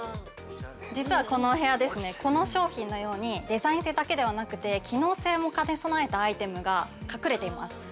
◆実はこのお部屋、この商品のように、デザイン性だけではなくて、機能性も兼ね備えたアイテムが、隠れています。